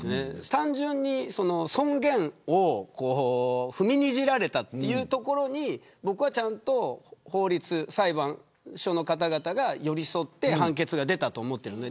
単純に尊厳を踏みにじられたというところにちゃんと裁判所の方々が寄りそって判決が出たと思います。